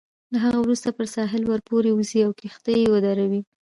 له هغه وروسته پر ساحل ورپورې وزئ او کښتۍ ودروئ.